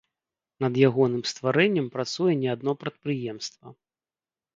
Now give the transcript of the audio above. Над ягоным стварэннем працуе не адно прадпрыемства.